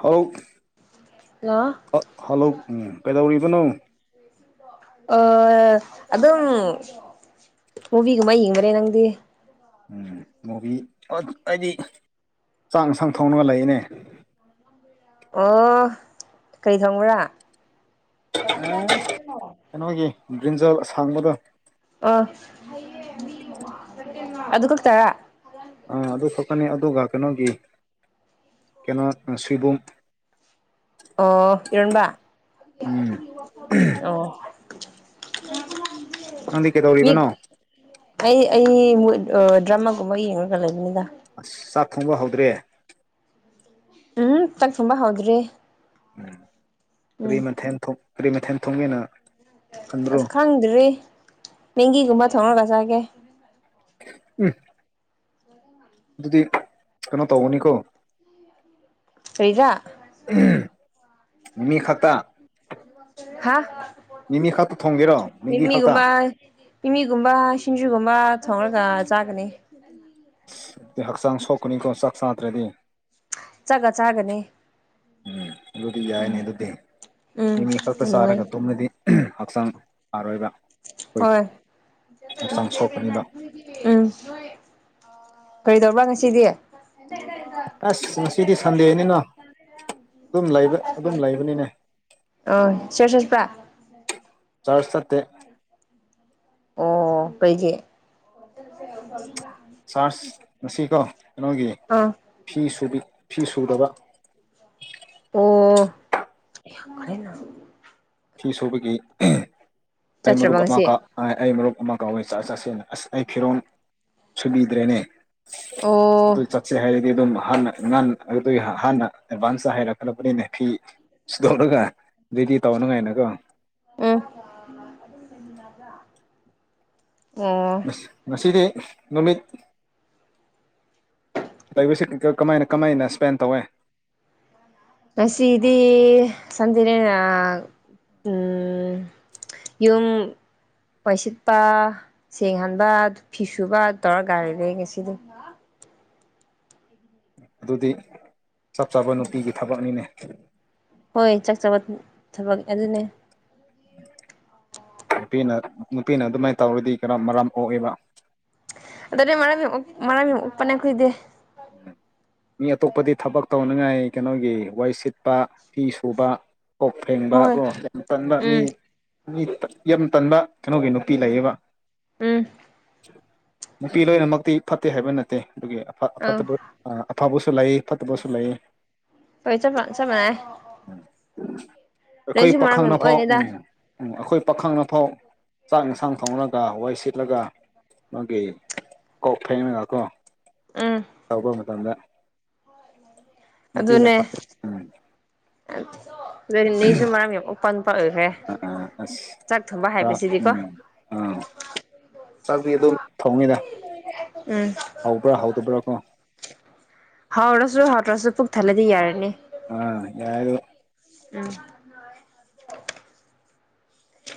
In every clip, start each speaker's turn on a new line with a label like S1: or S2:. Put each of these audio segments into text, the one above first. S1: hello
S2: hello
S1: hello ꯀꯩꯗꯧꯔꯤꯕꯅꯣ
S2: ꯑ ꯑꯗꯨꯗꯝ ꯃꯕꯤꯒ ꯃ ꯑꯩ ꯈ꯭ꯔꯦ ꯅꯪꯗꯤꯦ
S1: ꯎꯝ ꯃꯣꯕꯤ ꯑꯩꯗꯤ ꯆꯥꯛꯟꯁꯥꯡ ꯊꯣꯡꯅꯕ ꯂꯩꯅꯦ
S2: ꯑꯣ ꯀꯔꯤ ꯊꯣꯡꯕ꯭ꯔꯥ
S1: ꯀꯩꯅꯣꯒꯤ ꯒ꯭ꯔꯤꯟꯖꯜ ꯑꯁꯥꯡꯕꯗꯣ
S2: ꯑꯣ ꯑꯗꯨꯗ ꯀꯠꯇꯔ
S1: ꯑꯗꯨ ꯊꯣꯛꯀꯅꯤ ꯑꯗꯨꯒ ꯀꯩꯅꯣꯒꯤ ꯀꯩꯅꯣ ꯁꯣꯏꯕꯨꯝ
S2: ꯑꯣ ꯏꯔꯣꯟꯕ
S1: ꯎꯝ
S2: ꯑꯣ ꯍ
S1: ꯅꯪꯗꯤ ꯀꯩꯗꯧꯔꯤꯕꯅꯣ
S2: ꯑꯩ ꯑꯩ ꯗ꯭ꯔꯃꯥꯒꯨꯝꯕ ꯌꯦꯡꯉꯒ ꯂꯩꯕꯅꯤꯗ
S1: ꯑꯁ ꯆꯥꯛ ꯊꯣꯡꯕ ꯍꯧꯗ꯭ꯔꯦ
S2: ꯎꯝ ꯇꯪ ꯊꯨꯝꯕ ꯍꯥꯎꯗ꯭ꯔꯤ
S1: ꯀꯔꯤ ꯃꯊꯦꯜ ꯀꯔꯤ ꯃꯊꯦꯜ ꯊꯣꯡꯉꯅꯣ
S2: ꯑꯁ ꯈꯪꯗ꯭ꯔꯤ ꯃꯦꯡꯒꯤꯒꯨꯝꯕ ꯊꯣꯡꯉꯒ ꯆꯥꯒꯦ
S1: ꯎꯝ ꯑꯗꯨꯗꯤ ꯀꯩꯅꯣ ꯇꯧꯧꯕꯅꯤꯀꯣ
S2: ꯐꯔꯤꯗꯥ
S1: ꯃꯤ ꯈꯠꯇ
S2: ꯍꯥ
S1: ꯃꯤꯒꯤ ꯈꯛꯇ
S2: ꯏꯃꯤꯒꯨꯝꯕ ꯏꯃꯤꯒꯨꯝꯕ ꯁꯤꯟꯖꯨꯒꯨꯝꯕ ꯃꯥ ꯊꯣꯡꯡꯂꯒ ꯆꯥꯒꯅꯤ
S1: ꯍꯛꯆꯥꯡ ꯁꯣꯛꯀꯅꯤꯀꯣ ꯆꯥꯛ ꯆꯥꯗ꯭ꯔꯗꯤ
S2: ꯆꯠꯒ ꯆꯥꯒꯅꯤ
S1: ꯎꯝ ꯑꯗꯨꯗꯤ ꯌꯥꯏꯅꯦ
S2: ꯎꯝ
S1: ꯑꯗꯨꯗꯤ
S2: ꯎꯝ
S1: ꯃꯤ ꯃꯤ ꯈꯛꯇ
S2: ꯅꯨꯡꯉꯥꯏ
S1: ꯁꯥꯔꯒ ꯇꯨꯝꯗꯤ ꯍꯛꯆꯥꯡ ꯑꯔꯣꯏꯕ
S2: ꯍꯣꯏ
S1: ꯁꯣꯛꯀꯅꯤꯕ
S2: ꯎꯝ ꯀꯔꯤꯗꯧꯕꯥ ꯉꯁꯤꯗꯤ
S1: ꯑꯁ ꯉꯁꯤꯗꯤ ꯁꯟꯗꯦ ꯍꯥꯏꯅꯤꯅꯣ
S2: ꯑ ꯁꯠ ꯁꯦꯠꯄꯥ
S1: ꯆꯔꯖꯇ
S2: ꯑꯣ ꯄꯩꯖꯦ
S1: ꯁꯥꯔꯁ ꯉꯁꯤꯀꯣ ꯀꯩꯅꯣꯒꯤ
S2: ꯑꯥ
S1: ꯐꯤ ꯁ ꯐꯤ ꯁꯨꯗꯕ
S2: ꯔ
S1: ꯐꯤ ꯁꯨꯕꯒꯤ ꯑꯩ ꯃꯔꯨꯞ
S2: ꯆꯠꯇ꯭ꯔꯕ ꯉꯁꯤ
S1: ꯑꯃꯒ ꯑꯩ ꯃꯔꯨꯞ ꯑꯃ ꯀꯧꯋꯦ ꯆꯥꯛ ꯆꯥꯁꯦ ꯑꯁ ꯑꯩ ꯐꯤꯔꯣꯟꯜ ꯁꯨꯕꯤꯗ꯭ꯔꯦꯅꯦ ꯑꯗꯨ
S2: ꯑꯣ
S1: ꯆꯠꯁꯦ ꯍꯥꯏꯔꯗꯤ ꯑꯗꯨꯝ ꯍꯥꯟꯅ ꯑꯉꯥꯟ ꯑꯗꯨꯒꯤ ꯍꯥꯟꯅ ꯑꯦꯗꯚꯥꯟꯁꯇ ꯍꯥꯏꯔꯛꯀꯕꯅꯤꯅ ꯐꯤ ꯁꯨꯗꯣꯛꯂꯒ ꯑꯗꯨꯗꯤ ꯇꯧꯅꯉꯥꯏꯅꯀꯣ
S2: ꯑ
S1: ꯉꯁꯤꯗꯤ ꯅꯨꯃꯤꯠ ꯂꯩꯕꯁꯤ ꯀꯃꯥꯏꯅ ꯀꯃꯥꯏꯅ ꯏꯁꯄꯦꯟ ꯇꯧꯋꯦ
S2: ꯃꯁꯤꯗꯤ ꯁꯗꯤꯅꯦ ꯎ ꯌꯨꯝ ꯄꯩꯁꯤꯠꯄ ꯁꯦꯡꯍꯟꯕ ꯐꯤ ꯁꯨꯕ ꯇꯧꯔꯒ ꯒꯥꯔꯤ ꯂꯩ ꯉꯁꯤꯗꯤ
S1: [unintelligible] ꯑꯗꯨꯗꯤ ꯆꯞ ꯆꯥꯕ ꯅꯨꯄꯤꯒꯤ ꯊꯕꯛꯅꯤꯅꯦ
S2: ꯍꯣꯏ ꯆꯥꯛ ꯆꯥꯕ ꯊꯕꯛ ꯑꯗꯨꯅꯦ
S1: ꯄꯤꯅ ꯅꯨꯄꯤꯅ ꯑꯗꯨꯃꯥꯏꯅ ꯇꯧꯔꯗꯤ ꯀꯔ ꯃꯔꯥꯝ ꯑꯣꯛꯑꯦꯕ
S2: ꯑꯗꯨꯗꯅꯦ ꯃꯔꯃꯤ ꯃꯔꯃꯤ ꯎꯄꯅ ꯀꯗꯦ
S1: ꯃꯤ ꯑꯇꯣꯞꯄꯗꯤ ꯊꯕꯛ ꯇꯧꯅꯤꯡꯉꯥꯏ ꯀꯩꯅꯣꯒꯤ ꯋꯥꯩ ꯁꯤꯠꯄ ꯐꯤ ꯁꯨꯕ ꯀꯣꯛ ꯐꯦꯡꯕ
S2: ꯍꯣꯏ
S1: ꯀꯣ ꯌꯥꯝ ꯀꯟꯕ ꯃꯤ
S2: ꯎꯝ
S1: ꯃꯤ ꯌꯥꯝ ꯇꯟꯕ ꯀꯩꯅꯣꯒꯤ ꯅꯨꯄꯤ ꯂꯩꯌꯦꯕ
S2: ꯎꯝ
S1: ꯅꯨꯄꯤ ꯂꯣꯏꯅꯃꯛꯇꯤ ꯐꯠꯇꯦ ꯍꯥꯏꯕ ꯅꯠꯇꯦ ꯑꯗꯨꯒꯤ
S2: ꯑꯧ
S1: ꯑꯐꯠꯇꯕ ꯑꯐꯕ ꯁ ꯂꯩꯥꯏ ꯐꯠꯇꯕꯁꯨ ꯂꯩꯥꯏ
S2: ꯄꯩ ꯆ ꯐ ꯆ ꯃꯅꯦ
S1: ꯎꯝ ꯑꯩꯈꯣꯏ ꯄꯥꯈꯪꯅꯐꯥꯎ
S2: ꯑꯣꯏꯔꯦꯗ
S1: ꯎꯝ ꯎꯝ ꯑꯩꯈꯣꯏ ꯄꯥꯈꯪ ꯑꯐꯥꯎ ꯆꯥꯛ ꯏꯟꯁꯥꯡ ꯊꯣꯡꯅꯒ ꯋꯥꯏ ꯁꯤꯠꯂꯒ ꯃꯥꯒꯤ ꯀꯈꯩ ꯃꯒ ꯀꯣ
S2: ꯎꯝ
S1: ꯇꯧꯕ ꯃꯇꯝ ꯃꯇꯝꯗ ꯅꯨꯄꯤꯅ
S2: ꯑꯗꯨꯅꯦ
S1: ꯎꯝ
S2: ꯅꯁꯨ ꯃꯔꯥꯡ ꯌꯦꯑꯣ ꯄꯟ ꯐꯈ꯭ꯔꯦ
S1: ꯑ ꯑꯁ
S2: ꯆꯥꯛ ꯊꯣꯡꯕ
S1: ꯄꯨꯔꯥ
S2: ꯍꯥꯏꯕꯁꯤꯗꯤꯀꯣ
S1: ꯆꯥꯛꯕꯤ ꯑꯗꯨꯝ ꯊꯧꯅꯤꯅ
S2: ꯎꯝ
S1: ꯍꯧꯕ꯭ꯔꯥ ꯍꯧꯗꯕ꯭ꯔꯥ ꯀꯣ
S2: ꯑꯣꯇ꯭ꯔꯁꯨ ꯄꯨꯛ ꯊꯜꯂꯗꯤ ꯌꯥꯔꯅꯤ
S1: ꯑꯥ ꯌꯥꯔ
S2: ꯎꯝ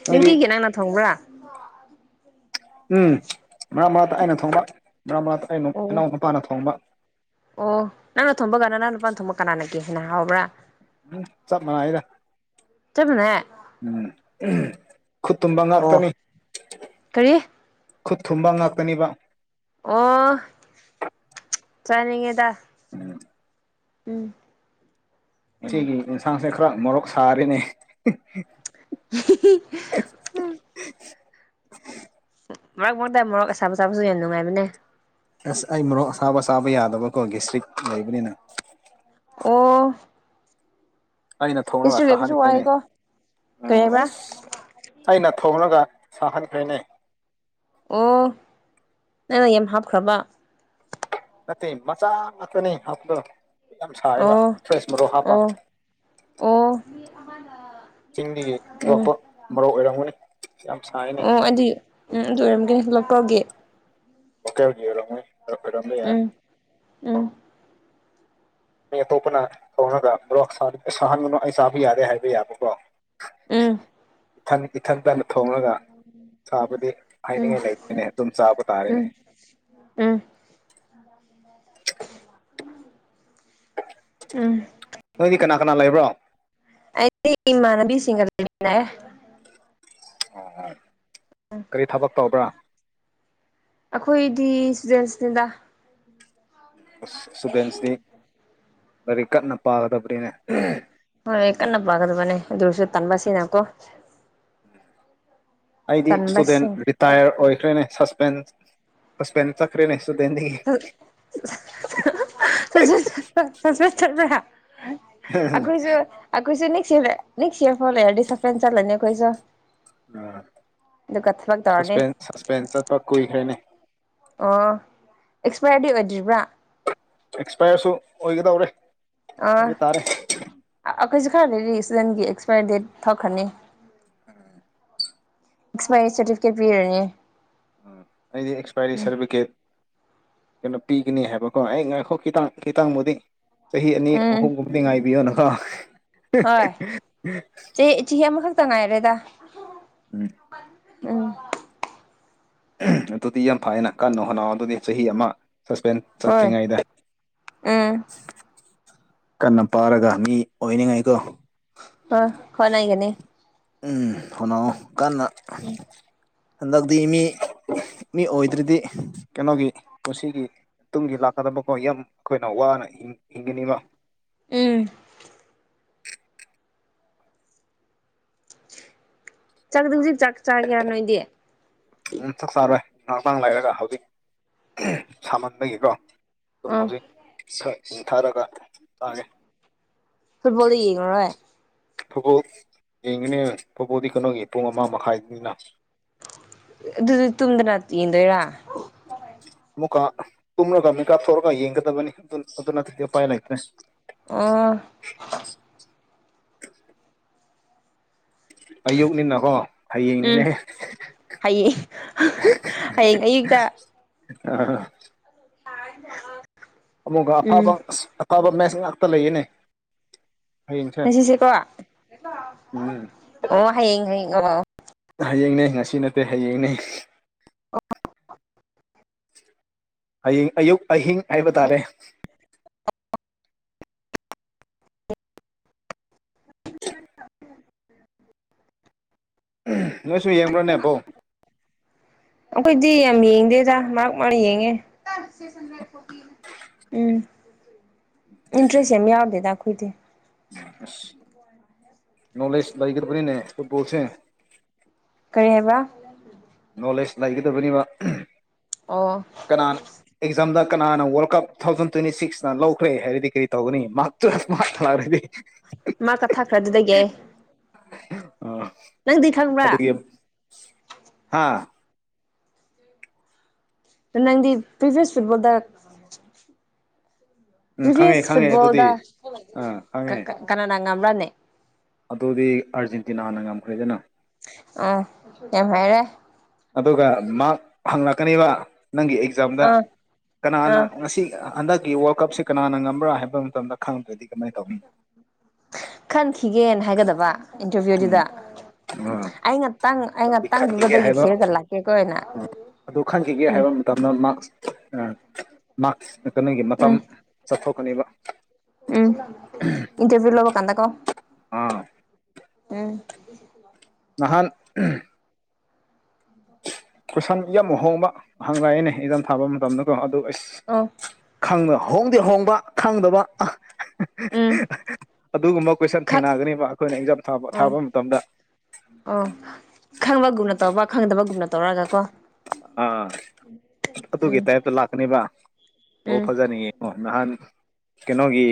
S1: ꯅꯣꯏꯗꯤ
S2: ꯅꯤꯡꯇꯤꯒꯤ ꯅꯪꯅ ꯊꯣꯡꯕ꯭ꯔꯥ
S1: ꯎꯝ ꯃꯔꯛ ꯃꯔꯛꯇ ꯑꯩꯅ ꯊꯣꯡꯕ ꯃꯔꯛ ꯃꯔꯛꯇ ꯑꯩꯅ ꯑꯅꯥꯎ
S2: ꯑꯣ
S1: ꯅꯨꯄꯥꯅ ꯊꯣꯡꯕ
S2: ꯑꯣ ꯅꯪꯅ ꯊꯣꯝꯕ ꯀꯥꯟꯅ ꯅꯪ ꯂꯄꯥꯅ ꯊꯣꯝꯕꯃꯛ ꯀꯅꯥꯅꯒꯦ ꯍꯥꯏꯅ ꯍꯥꯎꯕ꯭ꯔꯥ
S1: ꯎꯝ ꯆꯞ ꯃꯥꯟꯅꯩꯔ
S2: ꯆꯞ ꯃꯥꯟꯅꯩ
S1: ꯎꯝ ꯈꯨꯠ ꯊꯨꯝꯕ
S2: ꯑꯣ
S1: ꯉꯥꯛꯇꯅꯤ
S2: ꯀꯔꯤ
S1: ꯈꯨꯠ ꯊꯨꯝꯕ ꯉꯥꯛꯇꯅꯤꯕ
S2: ꯑꯣ ꯆꯥꯅꯤꯡꯉꯦꯗ
S1: ꯎ
S2: ꯎꯝ
S1: ꯁꯤꯒꯤ ꯏꯟꯁꯥꯡꯁꯦ ꯈꯔ ꯃꯣꯔꯣꯛ ꯁꯥꯔꯤꯅꯦ [unintelligible]
S2: ꯃꯣꯔꯛ ꯃꯣꯏ ꯇ ꯃꯣꯔꯛ ꯑꯁꯥꯕ ꯆꯥꯁꯨ ꯅꯨꯡꯉꯥꯏ ꯃꯅꯦ
S1: ꯑꯁ ꯑꯩ ꯃꯔꯣꯛ ꯑꯁꯥꯕ ꯑꯁꯥꯕ ꯌꯥꯗꯕꯀꯣ ꯗꯤꯁꯇ꯭ꯔꯤꯛ ꯂꯩꯕꯅꯤꯅ
S2: ꯑꯣ
S1: ꯑꯩꯅ ꯊꯣꯡꯂꯒ
S2: ꯏꯁꯇ꯭ꯔꯤ
S1: ꯁꯥꯍꯅꯤ
S2: ꯂꯩꯕꯁꯨ
S1: ꯀꯩꯅꯩ
S2: ꯋꯥꯏꯀꯣ
S1: ꯎ
S2: ꯀꯔꯤ ꯍꯥꯏꯕ꯭ꯔꯥ
S1: ꯑꯁ ꯑꯩꯅ ꯊꯣꯡꯂꯒ ꯁꯍꯟ ꯐꯅꯦ
S2: ꯑꯣ ꯅꯪꯅ ꯌꯥꯝ ꯍꯥꯞꯈ꯭ꯔꯕ
S1: ꯃꯆꯥꯥ ꯃꯥꯅꯦꯅꯤ ꯍꯥꯞꯗ ꯌꯥꯝ ꯁꯥꯥꯏꯕ
S2: ꯑꯣ
S1: ꯐ꯭ꯔꯦꯁ ꯃꯔꯣꯛ ꯍꯥꯞꯄ
S2: ꯑꯣ ꯑꯣ
S1: ꯆꯤꯡꯒꯤ
S2: ꯎꯝ
S1: ꯑꯂꯛꯄ ꯃꯔꯨ ꯑꯣꯏꯔꯝꯒꯅꯤ ꯌꯥꯝ ꯁꯥꯏꯅꯤ
S2: ꯑꯣ ꯑꯗꯨꯏ ꯎꯝ ꯑꯗꯨ ꯑꯣꯏꯔꯝꯒꯦꯂ ꯀꯧꯒꯦ
S1: ꯑꯣꯀꯦꯂꯣꯏꯄꯔꯗ ꯌꯥ
S2: ꯎꯝ ꯎꯝ
S1: ꯑꯩ ꯑꯇꯣꯞꯄꯅ ꯇꯧꯔꯒ ꯕ꯭ꯔꯣꯛ ꯁꯥꯍꯟꯕꯅꯣ ꯑꯩ ꯆꯥꯕ ꯌꯥꯗꯦ ꯍꯥꯏꯕ ꯌꯥꯕꯀ꯭ꯔꯣ
S2: ꯎꯝ
S1: ꯏ ꯊꯪ ꯏꯊꯪ ꯇ ꯊꯣꯉꯒ ꯆꯕꯗꯤ
S2: ꯎꯝ
S1: ꯍꯥꯏꯅꯤꯡꯉꯥꯏ ꯂꯩꯇꯅꯦ ꯑꯗꯨꯝ ꯆꯥꯕ ꯇꯥꯔꯦꯅꯦ
S2: ꯎꯝ ꯎꯝ
S1: [unintelligible]
S2: ꯎꯝ
S1: ꯅꯣꯏꯗꯤ ꯀꯅꯥ ꯀꯅꯥ ꯂꯩꯕ꯭ꯔꯣ
S2: ꯑꯩꯗꯤ ꯏꯃꯅꯕꯤꯁꯤꯡꯒꯔ ꯂꯩꯅ
S1: ꯑꯣ ꯀꯔꯤ ꯊꯕꯛ ꯇꯧꯕ꯭ꯔꯥ
S2: ꯑꯩꯈꯣꯏꯗꯤ ꯏꯁꯇꯨꯗꯦꯟꯁꯅꯦꯗ
S1: ꯏꯁꯇꯨꯗꯦꯟꯁꯤꯗꯤ ꯂꯥꯏꯔꯤꯛ ꯀꯟꯅ ꯄꯥꯒꯗꯕꯅꯤꯅꯦ
S2: ꯍꯣꯏ ꯀꯟꯅ ꯄꯒꯗ ꯃꯅꯦ ꯑꯗꯨꯁꯨ ꯇꯥꯟꯕꯁꯤꯅꯀꯣ
S1: ꯑꯩꯗꯤ ꯏꯁꯇꯨꯗꯦꯟ ꯔꯤꯇꯥꯌꯔ ꯑꯣꯏꯈ꯭ꯔꯦꯅꯦ ꯁꯁꯄꯦꯟ ꯁꯁꯄꯦꯟ ꯆꯠꯈ꯭ꯔꯦꯅꯦ ꯏꯁꯇꯨꯗꯦꯟꯗꯒꯤ
S2: ꯁ ꯁꯁꯃ ꯆꯠꯄ ꯑꯩꯈꯣꯏꯁꯨ ꯀꯣꯏꯁꯨ ꯅ ꯅ ꯐꯣ ꯍꯥꯏꯗꯤ ꯁꯁꯄꯦꯟꯂꯅꯤ ꯀꯣꯏꯁꯣ
S1: ꯎ
S2: ꯇꯧꯔꯅꯤ
S1: ꯁꯁꯄꯦꯟ ꯁꯁꯄꯦꯟꯁ ꯆꯠꯄ ꯀꯨꯏꯈ꯭ꯔꯦꯅꯦ
S2: ꯑꯣ ꯑꯦꯛꯁꯄꯌꯔꯗꯤ ꯑꯣꯏꯗ꯭ꯔꯤꯕ꯭ꯔꯥ
S1: ꯑꯦꯛꯁꯄꯥꯌꯔꯁꯨ ꯑꯣꯏꯒꯗꯧꯔꯦ
S2: ꯑꯥ
S1: ꯍꯥꯏꯕ ꯇꯥꯔꯦ
S2: ꯑꯩꯈꯣꯏꯁꯨ ꯈꯔ ꯂꯩꯔꯤ ꯏꯁꯗꯟꯒꯤ ꯑꯦꯛꯁꯄꯥꯏꯔꯤ ꯗꯦꯠ ꯊꯛꯈꯅꯤ
S1: ꯑꯝ
S2: ꯑꯦꯛꯁꯄꯔꯤ ꯁꯔꯇꯤꯐꯤꯦꯠ ꯄꯤꯔꯅꯤꯦ
S1: ꯎ ꯑꯩꯗꯤ ꯑꯦꯛꯁꯄꯥꯏꯔꯤ ꯁꯥꯔꯇꯤꯐꯤꯀꯦꯠ ꯀꯩꯅꯣ ꯄꯤꯒꯅꯤ ꯍꯥꯏꯕꯀꯣ ꯑꯩ ꯉꯥꯏꯈꯣ ꯈꯤꯇꯪ ꯈꯤꯇꯪꯕꯨꯗꯤ ꯆꯍꯤ ꯑꯅꯤ
S2: ꯎꯝ
S1: ꯑꯍꯨꯝꯒꯨꯝꯕꯗꯤ ꯉꯥꯏꯕꯤꯌꯣꯅꯀꯣ
S2: ꯍꯣꯏ ꯆꯍꯤ ꯆꯍꯤ ꯑꯃꯈꯛꯇ ꯉꯥꯏꯔꯦꯗ
S1: ꯎꯝ
S2: ꯎꯝ
S1: ꯑꯗꯨꯗꯤ ꯌꯥꯝ ꯐꯥꯏꯅ ꯀꯥꯟꯅꯣ ꯍꯅ ꯑꯗꯨꯗꯤ ꯆꯍꯤ ꯑꯃ ꯁꯁꯄꯦꯟꯁ
S2: ꯍꯣꯏ
S1: ꯆꯠꯠꯇ꯭ꯔꯤꯉꯩꯗ
S2: ꯎꯝ
S1: ꯀꯟꯅ ꯄꯥꯔꯒ ꯃꯤ ꯑꯣꯏꯅꯤꯡꯉꯥꯏꯀꯣ
S2: ꯑ ꯀꯅꯒꯅꯤ
S1: ꯎꯝ ꯍꯅꯥꯑꯣ ꯀꯟꯅ
S2: ꯎꯝ
S1: ꯍꯟꯗꯛꯇꯤ ꯃꯤ ꯃꯤ ꯑꯣꯏꯗ꯭ꯗꯤ ꯀꯩꯅꯣꯒꯤ ꯄꯨꯟꯁꯤꯒꯤ ꯇꯨꯡꯒꯤ ꯂꯥꯛꯀꯗꯕꯀꯣ ꯌꯥꯝ ꯑꯩꯈꯣꯏꯅ ꯋꯥꯅ ꯍꯤꯡꯒꯅꯤꯕ
S2: ꯎꯝ ꯆꯥꯛꯖꯤꯛ ꯆꯥꯛ ꯆꯥ ꯀꯦꯌꯥ ꯅꯣꯏꯗꯤ
S1: ꯎꯝ ꯆꯥꯛ ꯆꯥꯔꯣꯏ ꯃꯔꯄꯥꯡ ꯂꯩꯔꯒ ꯍꯧꯖꯤꯛ ꯁꯥꯃꯟꯕꯒꯤꯀꯣ ꯑꯗꯨꯝ
S2: ꯑꯥ
S1: ꯍꯧꯖꯤꯛ ꯍꯤꯡꯊꯔꯒ ꯇꯥꯡꯉꯦ
S2: ꯐꯨꯠꯄꯣꯜꯗ ꯌꯦꯒ
S1: ꯐꯕꯣ ꯌꯦꯡꯉꯤꯅꯦ ꯐꯣꯕꯣꯗꯤ ꯀꯩꯅꯣꯒꯤ ꯄꯨꯡ ꯑꯃ ꯃꯈꯥꯏꯅꯤꯅ
S2: ꯑꯗꯨ ꯇꯗꯅꯠꯇ ꯌꯦꯗ
S1: ꯃꯨꯀꯥ ꯀꯨꯝꯂꯒ ꯃꯤꯀꯥꯞ ꯊꯣꯛꯔꯒ ꯌꯦꯡꯒꯗꯕꯅꯤ ꯑꯗꯨ ꯑꯗꯨ ꯅꯠꯇꯗꯤ ꯎꯄꯥꯏ ꯂꯩꯇ꯭ꯔꯦ
S2: ꯑꯣ
S1: [unintelligible] ꯑꯌꯨꯛꯅꯤꯅꯀꯣ
S2: ꯎꯝ
S1: ꯍꯌꯦꯡꯅꯤꯅꯦ
S2: ꯍꯌꯦꯡ ꯍꯌꯦꯡ ꯑꯌꯨꯛꯇ
S1: ꯑ
S2: ꯍ
S1: ꯑꯃꯨꯛꯒ ꯑꯐꯕ ꯑꯐꯕ ꯃꯦꯁ ꯉꯥꯛꯇ ꯂꯩꯌꯦꯅꯦ ꯍꯌꯦꯡꯁꯦ
S2: ꯉꯁꯤꯁꯦꯀꯣ
S1: ꯎꯝ
S2: ꯑꯣ ꯍꯌꯦꯡ ꯍꯌꯦꯡ ꯑꯣ
S1: ꯍꯌꯦꯡꯅꯦ ꯉꯁꯤ ꯅꯠꯇꯦ ꯍꯌꯦꯡꯅꯦ
S2: ꯑ
S1: ꯑꯌꯤꯡ ꯑꯌꯨꯛ ꯑꯍꯤꯡ ꯍꯥꯏꯕ ꯇꯥꯔꯦ ꯅꯣꯏ ꯁ ꯌꯦꯡꯕ꯭ꯔꯅꯦꯄꯣ
S2: ꯗꯤ ꯌꯥꯝ ꯌꯦꯡꯗꯦꯗ ꯃꯥ ꯃꯥꯅ ꯌꯦꯡꯉꯦ
S1: [unintelligible]
S2: ꯏꯟꯇ꯭ꯔꯦꯁꯃꯤ ꯌꯥꯎꯗꯦ ꯇꯥꯈꯣꯏꯗꯤꯦ
S1: ꯑꯁ ꯅꯣꯂꯦꯖ ꯂꯩꯈ꯭ꯔꯕꯅꯤꯅꯦ ꯐꯨꯠꯕꯣꯜꯁꯦ
S2: ꯇꯦꯕ
S1: ꯅꯣꯂꯦꯖ ꯂꯩꯒꯗꯕꯅꯤꯕ
S2: ꯑꯣ
S1: ꯀꯅꯥꯅ ꯑꯦꯛꯖꯥꯝꯗ ꯀꯅꯥꯅ world cup two thousand twenty ꯁꯤꯛꯁꯅ ꯂꯧꯈ꯭ꯔꯦ ꯍꯥꯏꯔꯗꯤ ꯀꯔꯤ ꯇꯧꯒꯅꯤ ꯃꯍꯥꯛ ꯃꯥꯔꯗꯤ
S2: ꯃꯥ ꯀꯛꯊꯈ꯭ꯔꯗꯨꯗꯒꯤ
S1: ꯑ
S2: ꯅꯪꯗꯤ ꯈꯪꯕ꯭ꯔꯥ
S1: ꯑꯗ ꯍꯥꯥ
S2: ꯅꯪꯗꯤ ꯄꯤꯚꯌꯁ ꯐꯨꯠꯕꯣꯜꯗ
S1: ꯎꯝ ꯈꯪꯉꯦ
S2: ꯄꯔꯤꯚꯌꯁ
S1: ꯈꯪꯉꯦ ꯑꯗꯨꯗꯤ
S2: ꯐꯨꯠꯕꯣꯜꯗ
S1: ꯑꯥ ꯈꯪꯉꯦ
S2: ꯀꯅꯥꯅ ꯉꯝꯕꯔꯅꯦ
S1: ꯑꯗꯨꯗꯤ ꯑꯥꯔꯖꯦꯟꯇꯤꯅꯥꯅ ꯉꯝꯈ꯭ꯔꯦꯗꯅ
S2: ꯑ ꯌꯥꯝ ꯃꯔꯦ
S1: ꯑꯗꯨꯒ ꯃꯍꯥꯛ ꯍꯪꯂꯛꯀꯅꯦꯕ ꯅꯪꯒꯤ ꯑꯦꯛꯖꯥꯝꯗ
S2: ꯑꯥ
S1: ꯀꯅꯥꯅ
S2: ꯑꯥ
S1: ꯉꯁꯤ ꯍꯟꯗꯛ ꯋꯥꯔꯜ ꯀꯞꯁꯤꯦ ꯀꯅꯥꯅ ꯉꯝꯕ꯭ꯔꯥ ꯍꯥꯏꯕ ꯃꯇꯝꯗ ꯈꯪꯗ꯭ꯔꯗꯤ ꯀꯃꯥꯏꯅ ꯇꯧꯅꯤ
S2: ꯈꯟꯈꯤꯒꯦꯅ ꯍꯥꯏꯒꯗꯕ
S1: ꯎꯝ
S2: ꯏꯟꯇꯔꯚꯤꯌꯨꯗꯨꯗ
S1: ꯑꯥ
S2: ꯑꯩ ꯉꯥꯛꯇꯪ ꯑꯩ
S1: ꯄꯤꯛ
S2: ꯉꯥꯛꯇꯪ
S1: ꯈꯟꯈꯤꯒꯦ
S2: ꯒꯨꯒꯜꯗꯒꯤ
S1: ꯍꯥꯏꯕꯣ
S2: ꯊꯤꯔꯒ ꯂꯥꯛꯀꯦꯀꯣ ꯍꯥꯏꯅ
S1: ꯎꯝ ꯑꯗꯨ ꯈꯟꯈꯤꯒꯦ
S2: ꯎꯝ
S1: ꯍꯥꯏꯕ ꯃꯇꯝꯗ ꯃꯥꯛꯁ ꯑ ꯃꯥꯛꯁ ꯀꯩꯅꯣꯒꯤ ꯃꯇꯝ
S2: ꯎꯝ
S1: ꯆꯠꯊꯣꯛꯀꯅꯦꯕ
S2: ꯎꯝ ꯏꯟꯇꯔꯚ꯭ꯨ ꯂ ꯑꯗꯒꯣ
S1: ꯑꯥ
S2: ꯎꯝ
S1: ꯃꯍꯍꯥꯟ ꯀꯣꯏꯁꯟ ꯏ ꯌꯥꯝ ꯑꯨꯍꯣꯡꯕ ꯍꯪ ꯂꯛꯑꯦꯅꯦ ꯏꯟꯖꯥꯝ ꯊꯥꯕ ꯃꯇꯝꯗ ꯀꯣ ꯑꯗꯨ ꯑꯩꯁ
S2: ꯑꯣ
S1: ꯈꯪꯉ ꯍꯣꯡꯗꯤ ꯍꯣꯡꯕ ꯈꯪꯗꯕ
S2: ꯎꯝ
S1: ꯑꯗꯨꯒꯨꯝꯕ ꯀꯣꯏꯁꯟ
S2: ꯈꯛ
S1: ꯊꯦꯡꯅꯒꯅꯦꯕ ꯑꯩꯈꯣꯏꯅ ꯑꯦꯛꯖꯥꯝ ꯊꯥꯕ
S2: ꯎꯝ
S1: ꯊꯥꯕ ꯃꯇꯝꯗ
S2: ꯑꯣ ꯈꯪꯕꯒꯨꯝꯅ ꯇꯧꯕ ꯈꯪꯗꯕꯒꯨꯝꯅ ꯇꯧꯔꯒ ꯀꯣ
S1: ꯑꯥ ꯑꯗꯨꯒꯤ
S2: ꯎꯝ
S1: ꯇꯥꯏꯞꯇ ꯂꯥꯛꯀꯅꯤꯕ ꯑꯣ
S2: ꯎꯝ
S1: ꯐꯖꯅꯤꯡꯌꯦ ꯀꯣ ꯅꯍꯥꯟ ꯀꯩꯅꯣꯒꯤ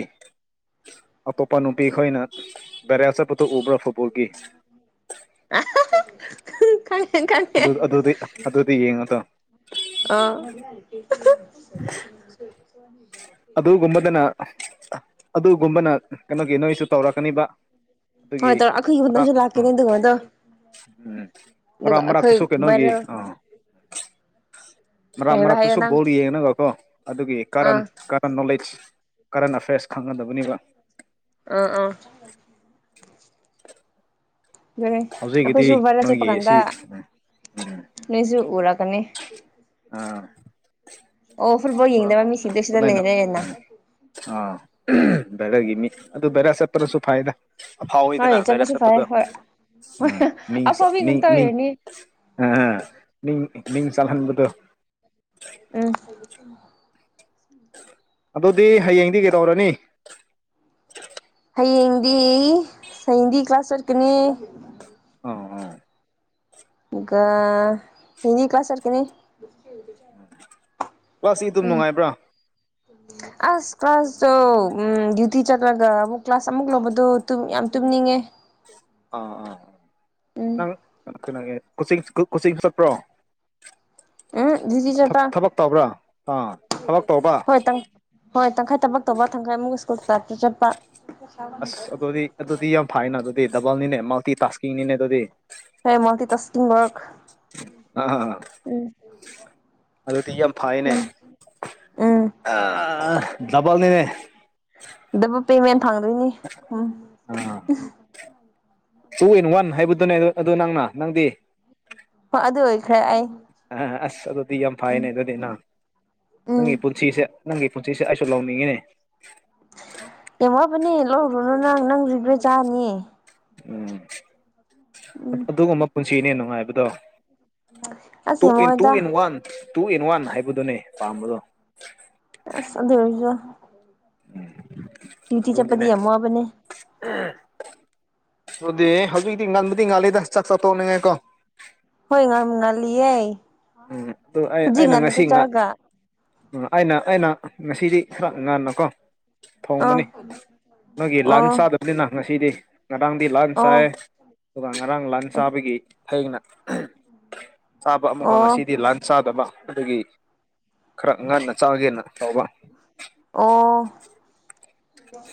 S1: ꯑꯇꯣꯞꯄꯅꯨꯄꯤꯈꯣꯏꯅ ꯚꯥꯏꯔꯦꯜ ꯆꯠꯄꯗꯨ ꯎꯕ꯭ꯥꯔ ꯐꯨ
S2: ꯑꯍꯍ ꯍꯨꯡ ꯀꯥꯏ ꯈꯪꯇꯦ
S1: ꯑꯗꯨ ꯑꯗꯨꯗꯤ ꯑꯗꯨꯗꯤ ꯌꯦꯡꯉꯣꯗꯣ
S2: [unintelligible] ꯑ ꯑꯍ
S1: ꯑꯗꯨꯒꯨꯝꯕꯗꯅ ꯑꯗꯨꯒꯨꯝꯕꯅ ꯀꯩꯅꯣꯒꯤ ꯅꯣꯏꯁꯨ ꯇꯧꯔꯛꯀꯅꯤꯕ
S2: ꯍꯣꯏ
S1: ꯑꯗꯨꯒꯤ
S2: ꯇꯧꯔꯣ ꯑꯩꯈꯣꯏꯒꯤ
S1: ꯃꯔꯥꯡ
S2: ꯃꯇꯝꯁꯨ
S1: ꯎꯝ
S2: ꯂꯥꯛꯀꯅꯤ ꯑꯗꯨꯒꯨꯝꯕꯗꯣ
S1: ꯎꯝ ꯃꯔꯥꯛ
S2: ꯑꯗꯨꯒ ꯑꯩꯈꯣꯏ
S1: ꯃꯔꯥꯛꯇꯁꯨ ꯀꯩꯅꯣꯒꯤ
S2: ꯚꯥꯏꯔꯦꯜ
S1: ꯑ ꯃꯔꯥꯛ
S2: ꯀꯩ ꯍꯥꯏꯕ ꯍꯥꯏꯌꯣ
S1: ꯃꯔꯥꯛꯇꯁꯨ
S2: ꯅꯪ
S1: ꯕꯣꯜ ꯌꯦꯡꯅꯕ ꯀꯣ ꯑꯗꯨꯒꯤ
S2: ꯑꯥ
S1: ꯀꯥꯔꯟ ꯀꯔꯟ ꯅꯣꯂꯦꯖ ꯀꯔꯟ ꯑꯐꯦꯌꯔꯁ ꯈꯪꯒꯗꯕꯅꯤꯕ
S2: ꯑ ꯑ ꯒꯦꯔꯦ [unintelligible] ꯑꯩꯈꯣꯏꯁꯨ
S1: ꯍꯧꯖꯤꯛꯀꯤꯗꯤ
S2: ꯚꯥꯏꯔꯦꯜ ꯆꯠꯄ
S1: ꯅꯣꯏꯒꯤ
S2: ꯀꯥꯟꯗ
S1: ꯑꯁꯤ
S2: ꯅꯣꯏꯖꯨ ꯄꯨꯔꯛꯀꯅꯤ
S1: ꯑꯥ
S2: ꯑꯣ ꯐꯨꯠꯕꯣꯜ ꯌꯦꯡꯗꯕ ꯃꯤꯁꯤꯡꯗꯤ ꯁꯤꯗ ꯂꯩꯔꯦꯅꯥ
S1: ꯎꯝ ꯚꯥꯏꯔꯦꯜꯒꯤ ꯃꯤ ꯑꯗꯨ ꯚꯥꯏꯔꯦꯜ ꯆꯠꯄꯗꯨꯁꯨ ꯐꯩꯗ ꯑꯐꯥꯎꯋꯤꯗꯅ
S2: ꯍꯣꯏ
S1: ꯚꯥꯏꯔꯦꯜ
S2: ꯆꯠꯄꯁꯨ ꯐꯔꯦ
S1: ꯆꯠꯄꯗꯣ
S2: ꯍꯣꯏ ꯍꯣꯏ
S1: ꯑ ꯃꯤꯡꯆ
S2: ꯑꯐꯥꯎꯕꯤ
S1: ꯃꯤꯡ
S2: ꯉꯥꯛꯇ
S1: ꯃꯤꯡ
S2: ꯑꯣꯏꯔꯅꯤ
S1: ꯑ ꯑ ꯃꯤꯡ ꯃꯤꯡ ꯆꯜꯍꯟꯕꯗꯣ
S2: ꯑ
S1: ꯑꯗꯨꯗꯤ ꯍꯌꯦꯡꯗꯤ ꯀꯩꯗꯧꯔꯅꯤ
S2: ꯍꯌꯦꯡꯗꯤ ꯁꯌꯦꯡꯗꯤ ꯀ꯭ꯂꯥꯁ ꯆꯠꯀꯅꯤ
S1: ꯑꯣ ꯑꯣ
S2: ꯒꯣ ꯍꯌꯦꯡꯗꯤ ꯀ꯭ꯂꯥꯁ ꯆꯠꯀꯅꯤ
S1: ꯀ꯭ꯂꯥꯁꯗꯤꯗꯨꯝ
S2: ꯎꯝ
S1: ꯅꯨꯡꯉꯥꯏꯕ꯭ꯔꯥ
S2: ꯑꯁ ꯀ꯭ꯂꯥꯁꯇꯣ ꯎꯝ ꯗ꯭ꯌꯨꯇꯤ ꯆꯠꯂꯒ ꯑꯃꯨꯛ ꯀ꯭ꯂꯥꯁ ꯑꯃꯨꯛ ꯂꯧꯕꯗꯣ ꯇꯨꯝ ꯌꯥꯝ ꯇꯨꯝ ꯅꯤꯡꯉꯦ
S1: ꯀꯩꯅꯣꯒꯦ [unintelligible] ꯀꯣꯆꯤꯡ ꯀꯣꯆꯤꯡ ꯆꯠꯄ꯭ꯔꯣ
S2: ꯎꯝ ꯗ꯭ꯌꯨꯇꯤ ꯆꯠꯄ
S1: ꯊꯕꯛ ꯇꯧꯕ꯭ꯔꯥ ꯑꯥ ꯊꯕꯛ ꯇꯧꯕꯥ
S2: ꯍꯣꯏ ꯇꯪ ꯍꯣꯏ ꯇꯪꯈꯥꯏ ꯊꯕꯛ ꯇꯧꯕ ꯇꯪꯈꯥꯏꯃꯨꯛ ꯁ꯭ꯀꯨꯜ ꯇꯥꯏꯞꯇ [unintelligible] ꯆꯠꯄ
S1: ꯑꯁ ꯑꯗꯨꯗꯤ ꯑꯗꯨꯗꯤ ꯌꯥꯝ ꯐꯥꯏꯅ ꯑꯗꯨꯗꯤ ꯗꯕꯜꯅꯤꯅꯦ ꯃꯜꯇꯤ ꯇꯥꯛꯁꯀꯤꯡꯅꯤꯅꯦ ꯑꯗꯨꯗꯤ
S2: ꯍꯦ ꯃꯜꯇꯤ ꯇꯥꯛꯁꯀꯤꯡ ꯋꯥꯛ
S1: ꯑꯥ
S2: ꯎꯝ
S1: ꯑꯗꯨꯗꯤ ꯌꯥꯝ ꯐꯥꯏꯅꯦ
S2: ꯎꯝ ꯎꯝ
S1: ꯑꯥꯥ ꯗꯞ ꯕꯜꯅꯤꯅꯦ
S2: ꯗꯕꯨꯛꯇ ꯍꯨꯌꯦꯟ [unintelligible] ꯊꯥꯒꯠꯂꯅꯤ ꯎꯝ ꯑ [unintelligible]
S1: ꯇꯨ ꯏꯟ ꯋꯥꯟ ꯍꯥꯏꯕꯗꯨꯅꯦ ꯑꯗꯨ ꯅꯪꯅ ꯅꯪꯗꯤ
S2: ꯑꯗꯨ ꯑꯣꯏꯈ꯭ꯔꯦ ꯑꯩ
S1: ꯑ ꯑꯁ ꯑꯗꯨꯗꯤ ꯌꯥꯝ ꯐꯥꯏꯅꯦ
S2: ꯎꯝ
S1: ꯑꯗꯨꯗꯤ ꯅꯪ
S2: ꯎꯝ
S1: ꯅꯪꯒꯤ ꯄꯨꯟꯁꯤꯁꯦ ꯅꯪꯒꯤ ꯄꯨꯟꯁꯤꯁꯦ ꯑꯩꯁꯨ ꯂꯧꯅꯤꯡꯉꯦꯅꯦ
S2: ꯇꯧꯋꯥꯕꯨꯅꯤ [unintelligible] ꯂꯧꯔꯨꯅꯨ ꯅꯪ ꯅꯪ ꯔꯤꯒ꯭ꯔꯦꯠ ꯆꯥꯅꯤ
S1: ꯎꯝ
S2: ꯎꯝ
S1: ꯑꯗꯨꯒꯨꯝꯕ ꯄꯨꯟꯁꯤꯅꯦ ꯅꯨꯡꯉꯥꯏꯕꯗꯣ ꯇꯨ
S2: ꯑꯁ ꯌꯥꯝ
S1: ꯏꯟ ꯇꯨ ꯏꯟ
S2: ꯋꯥꯏꯗ
S1: ꯋꯥꯟ ꯇꯨ ꯏꯟ ꯋꯥꯟ ꯍꯥꯏꯕꯗꯨꯅꯦ ꯄꯥꯝꯕꯗꯣ
S2: ꯑꯁ ꯑꯗꯨꯑꯣꯏꯖꯨ ꯗ꯭ꯌꯨꯇꯤ ꯆꯠꯄꯗꯤ
S1: ꯑꯗꯨꯅꯤꯅꯦ
S2: ꯌꯥꯝ ꯋꯥꯕꯅꯦ
S1: ꯑꯗꯨꯗꯤ ꯍꯧꯖꯤꯛꯇꯤ ꯉꯟꯕꯨꯗꯤ ꯉꯜꯂꯤꯗ ꯆꯥꯛ ꯆꯥ ꯇꯣꯛꯅꯤꯡꯉꯥꯏꯀꯣ
S2: ꯍꯣꯏ ꯉꯟ ꯉꯟꯂꯤꯌꯦ
S1: ꯎꯝ ꯑꯗꯨ ꯑꯩ ꯑꯩꯅ ꯉꯁꯤ ꯉꯥꯛ ꯑꯩꯅ ꯑꯩꯅ ꯉꯁꯤꯗꯤ ꯈꯔ ꯉꯟꯅꯀꯣ
S2: ꯑꯥ
S1: ꯊꯣꯡꯕꯅꯤ ꯅꯣꯏꯒꯤ ꯂꯥꯟꯁ
S2: ꯑꯣ
S1: ꯆꯥꯗꯕꯅꯤꯅ ꯉꯁꯤꯗꯤ ꯉꯔꯥꯡꯗꯤ ꯂꯥꯟ
S2: ꯑꯣ
S1: ꯆꯥꯏ ꯑꯗꯨꯒ ꯉꯔꯥꯡ ꯂꯥꯟ ꯆꯥꯕꯒꯤ ꯊꯅ ꯆꯥꯕ ꯑꯃꯨꯛꯀ
S2: ꯑꯣ
S1: ꯉꯁꯤꯗꯤ ꯂꯥꯟ ꯆꯥꯗꯕ ꯑꯗꯨꯗꯒꯤ ꯈꯔ ꯉꯟꯅ ꯆꯥꯎꯥꯒꯦꯅ
S2: ꯑꯣ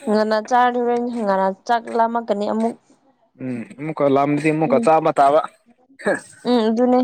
S2: ꯍꯪ ꯉꯅꯥ ꯆꯥꯗꯔꯦꯅꯤ ꯍꯪꯒꯥꯅꯥ ꯆꯥꯛ ꯂꯥꯝꯃꯀꯅꯤ ꯑꯃꯨꯛ
S1: ꯎꯝ ꯑꯃꯨꯛꯀ ꯂꯗꯤ ꯑꯃꯨꯀ
S2: ꯎꯝ
S1: ꯆꯥꯕ ꯇꯥꯕ
S2: ꯎꯝ ꯑꯗꯨꯅꯦ